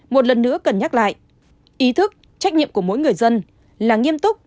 một lần nữa cần nhắc lại ý thức trách nhiệm của mỗi người dân là nghiêm túc